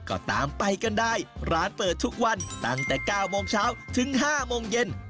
ก็ตามไปกันได้ร้านเปิดทุกวันตั้งแต่๙โมงเช้าถึง๕โมงเย็น